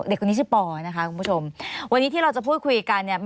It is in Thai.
เด็กคนนี้ชื่อปอนะคะคุณผู้ชมวันนี้ที่เราจะพูดคุยกันเนี่ย